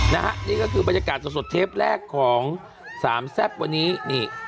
นะฮะนี่ก็คือบรรยากาศสดเทปแรกของสามแซ่บวันนี้นี่